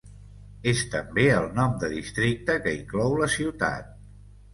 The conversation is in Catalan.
És també el nom de districte que inclou la ciutat.